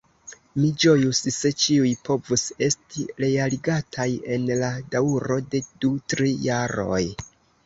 Mi ĝojus, se ĉiuj povus esti realigataj en la daŭro de du-tri jaroj.